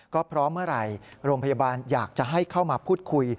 ก็เพราะเมื่อไหร่โรงพยาบาลอยากจะให้เข้ามาพูดคุย